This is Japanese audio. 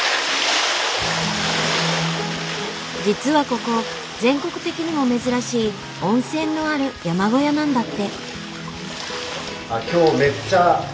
実はここ全国的にも珍しい温泉のある山小屋なんだって。